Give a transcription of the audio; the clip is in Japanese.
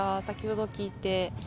先ほど聞いて。